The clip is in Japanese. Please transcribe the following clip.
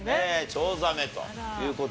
チョウザメという事で。